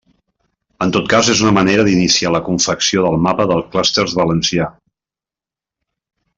En tot cas és una manera d'iniciar la confecció del mapa de clústers valencià.